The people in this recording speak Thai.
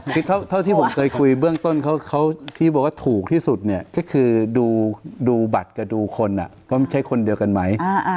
คือเท่าที่ผมเคยคุยเบื้องต้นเขาที่บอกว่าถูกที่สุดเนี่ยก็คือดูบัตรกับดูคนว่ามันใช้คนเดียวกันไหม